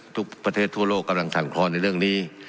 ทุกประเทศทั่วโลกกำลังสั่นคลอนในเรื่องนี้